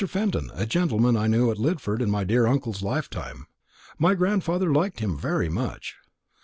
Fenton, a gentleman I knew at Lidford in my dear uncle's lifetime. My grandfather liked him very much."